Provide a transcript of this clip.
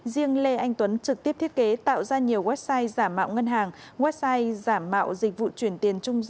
riêng lê anh tuấn trực tiếp thiết kế tạo ra nhiều website giả mạo ngân hàng